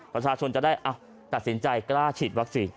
ประชาชนจะได้ตัดสินใจกล้าฉีดวัคซีน